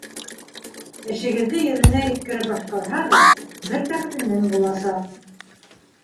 Эшегеҙҙе еренә еткереп башҡарһағыҙ, бер тәҡдимем буласаҡ.